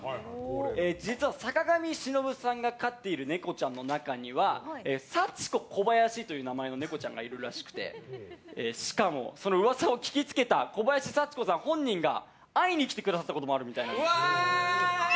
実は坂上忍さんが飼っているネコちゃんの中にはサチコ・コバヤシという名前のネコちゃんがいるらしくてしかも噂を聞き付けた小林幸子さん本人が会いに来てくださったこともわー！